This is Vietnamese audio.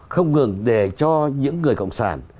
không ngừng để cho những người cộng sản